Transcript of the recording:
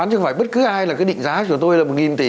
chứ không phải bất cứ ai là cái định giá của tôi là một tỷ